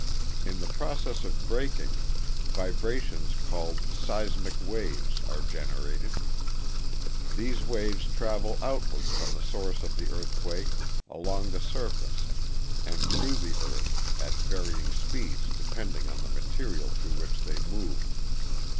In the process of breaking, vibrations called ŌĆ£seismic wavesŌĆØ are generated. These waves travel outward from the source of the earthquake along the surface and through the Earth at varying speeds depending on the material through which they move.